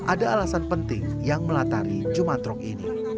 ada alasan penting yang melatari jumantrok ini